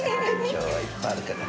今日はいっぱいあるから。